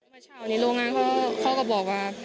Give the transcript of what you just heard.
เมื่อเช้านี้โรงงานเขาก็บอกว่า